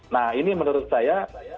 nah ini menurut saya